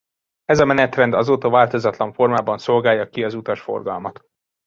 Ez a menetrend azóta változatlan formában szolgálja ki az utasforgalmat.